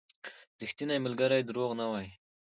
• ریښتینی ملګری دروغ نه وايي.